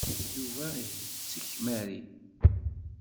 Yuba ihettek Mary.